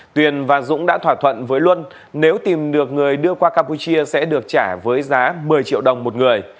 tuyền và dũng đã thỏa thuận với luân nếu tìm được người đưa qua campuchia sẽ được trả với giá một mươi triệu đồng một người